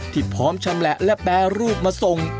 พร้อมชำแหละและแปรรูปมาส่ง